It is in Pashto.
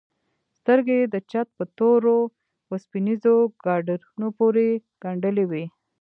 سترگې يې د چت په تورو وسپنيزو ګاډرونو پورې گنډلې وې.